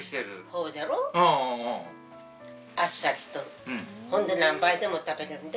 ほんで何杯でも食べられるで。